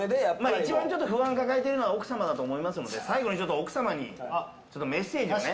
一番不安を抱えてるのは奥様だと思いますので最後に、奥様にメッセージを。